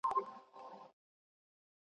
څه بدۍ مو دي په مځكه كي كرلي ,